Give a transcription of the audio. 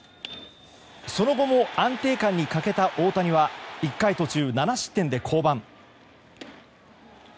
その後も安定感に欠けた大谷は１回途中７失点で降板。